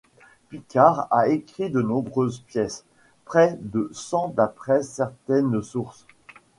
Picard a écrit de nombreuses pièces, près de cent d’après certaines sources.